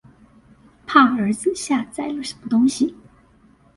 怕兒子下載了什麼東西